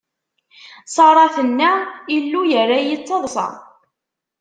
Ṣara tenna: Illu yerra-yi d taḍṣa.